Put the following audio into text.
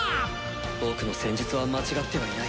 僕の戦術は間違ってはいない。